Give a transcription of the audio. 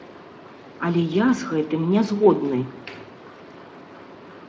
Але я з гэтым не згодны.